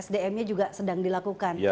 sdm nya juga sedang dilakukan